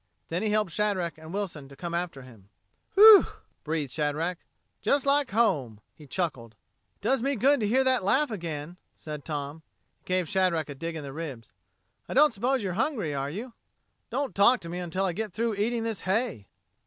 Then he helped Shadrack and Wilson to come after him. "Whew!" breathed Shadrack. "Just like home." He chuckled. "It does me good to hear that laugh again," said Tom. He gave Shadrack a dig in the ribs. "I don't suppose you're hungry, are you?" "Don't talk to me until I get through eating this hay."